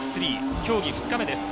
競技２日目です。